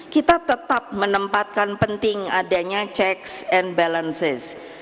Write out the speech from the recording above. kita tetap menempatkan penting adanya checks and balances